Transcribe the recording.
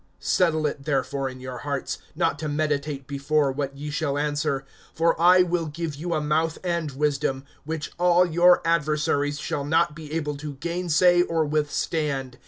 (14)Settle it therefore in your hearts, not to meditate before what ye shall answer. (15)For I will give you a mouth and wisdom, which all your adversaries shall not be able to gainsay or withstand.